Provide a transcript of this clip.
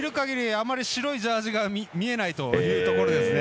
あんまり白いジャージが見えないというところですね。